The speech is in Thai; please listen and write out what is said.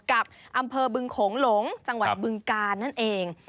กับอำเภอบึงโขงหลงจังหวัดบึงกาลนั่นเอง